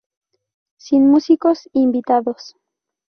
Sin músicos invitados.